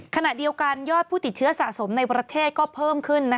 ขณะเดียวกันยอดผู้ติดเชื้อสะสมในประเทศก็เพิ่มขึ้น